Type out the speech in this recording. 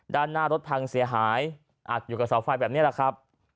ด้านหน้ารถพังเสียหายอัดอยู่กับเสาไฟแบบนี้แหละครับ